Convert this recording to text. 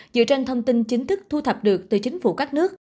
dựa trên thông tin chính thức thu thập được từ chính phủ các nước